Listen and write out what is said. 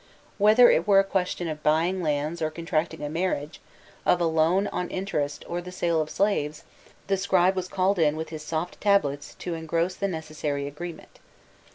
Whether it were a question of buying lands or contracting a marriage, of a loan on interest, or the sale of slaves, the scribe was called in with his soft tablets to engross the necessary agreement.